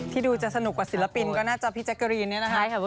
ดูจะสนุกกว่าศิลปินก็น่าจะพี่แจ๊กกะรีนเนี่ยนะคะ